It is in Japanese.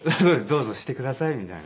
どうぞしてくださいみたいな。